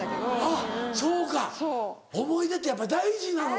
あっそうか思い出ってやっぱ大事なのか。